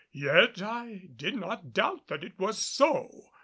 Yet I did not doubt that it was so.